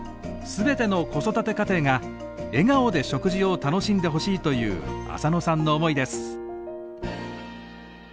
全ての子育て家庭が笑顔で食事を楽しんでほしいという浅野さんの思いです。